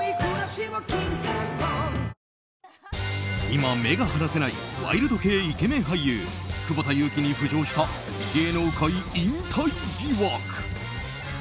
今、目が離せないワイルド系イケメン俳優久保田悠来に浮上した芸能界引退疑惑。